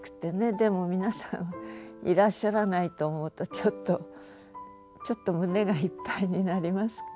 でも皆さんいらっしゃらないと思うとちょっとちょっと胸がいっぱいになります。